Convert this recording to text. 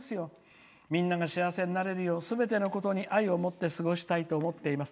みんなが幸せになれるようすべてのことに愛を持って過ごしたいと思います。